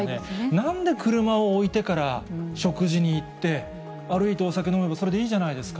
なんで車を置いてから食事に行って、歩いてお酒飲めば、それでいいじゃないですか。